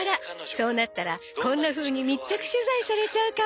そうなったらこんなふうに密着取材されちゃうかも。